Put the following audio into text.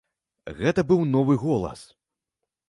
Гэта быў новы голас.